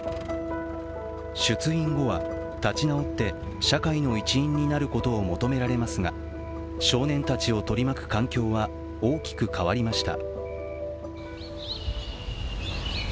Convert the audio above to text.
出院後は立ち直って社会の一員になることを求められますが少年たちを取り巻く環境は大きく変わりました。